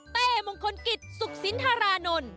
เต้มงคลกิจสุขสินธารานนท์